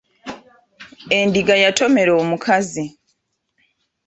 Endiga yatomera omukazi.